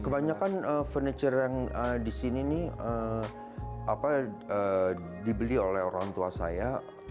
kebanyakan furniture yang di sini nih dibeli oleh orang tua saya